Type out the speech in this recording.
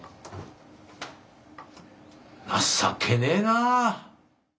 情けねえなあ。